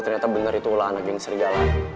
ternyata bener itu lah anak geng serigala